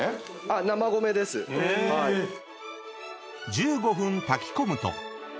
［１５分炊き込むと］